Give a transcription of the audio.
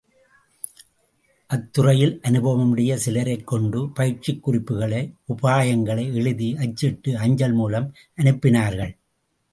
அத்துறையில் அனுபவமுடைய சிலரைக் கொண்டு, பயிற்சிக் குறிப்புகளை, உபாயங்களை எழுதி அச்சிட்டு அஞ்சல் மூலம் அனுப்பினார்கள்.